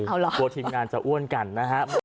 กลัวทีมงานจะอ้วนกันนะฮะ